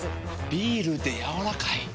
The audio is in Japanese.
ビールでやわらかい。